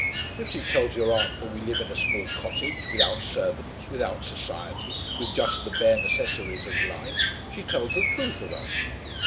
"If she tells your aunt that we live in a small cottage, without servants, without society, with just the bare necessaries of life, she tells the truth of us."